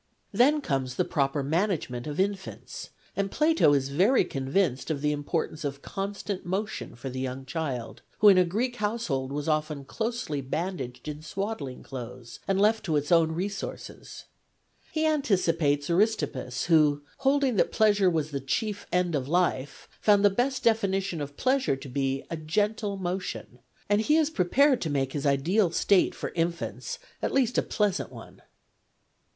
Then comes the proper management of infants, and Plato is very convinced of the importance of constant motion for the young child, who in a Greek house hold was often closely bandaged in swaddling clothes and left to its own resources. He anticipates Aristippus, who, holding that pleasure was the chief end of life, found the best definition of pleasure to be ' a gentle motion,' and he is prepared to make his ideal state for infants at least a pleasant one.